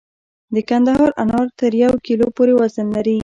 د کندهار انار تر یو کیلو پورې وزن لري.